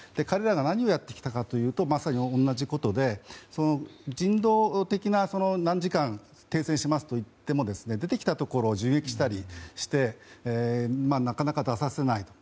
彼らが何をやってきたかというとまさに同じことで人道的な何時間停戦しますといっても出てきたところを銃撃したりしてなかなか出させない。